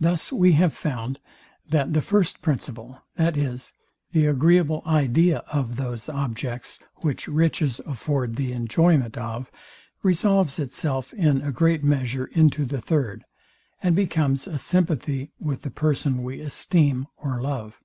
Thus we have found, that the first principle, viz, the agreeable idea of those objects, which riches afford the enjoyment of; resolves itself in a great measure into the third, and becomes a sympathy with the person we esteem or love.